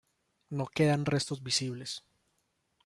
No quedan restos visibles.